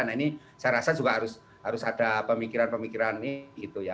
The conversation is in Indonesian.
nah ini saya rasa juga harus ada pemikiran pemikiran ini gitu ya